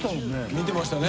見てましたね。